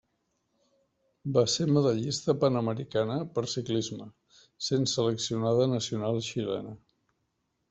Va ser medallista panamericana per ciclisme, sent seleccionada nacional xilena.